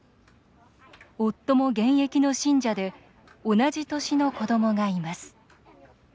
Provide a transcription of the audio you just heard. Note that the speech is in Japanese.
夫も現役の信者で同じ年の子どもがいます。